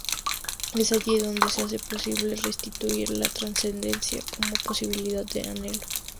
Es allí donde se hace posible restituir la trascendencia como posibilidad y anhelo.